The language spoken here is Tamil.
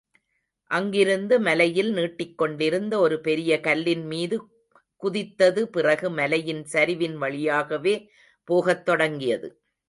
அங்கிருந்து மலையில் நீட்டிக் கொண்டிருந்த ஒரு பெரிய கல்லின்மீது குதித்தது பிறகு, மலையில் சரிவின் வழியாகவே போகத் தொடங்கியது.